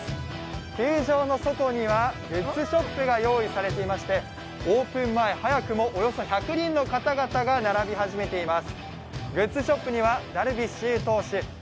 球場の前にはグッズショップが用意されていましてオープン前早くもおよそ１００人の方々が並び始めています。